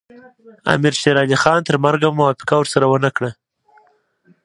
امیر شېر علي خان تر مرګه موافقه ورسره ونه کړه.